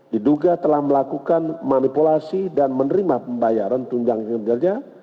diduga telah melakukan manipulasi dan menerima pembayaran tunjangan kinerja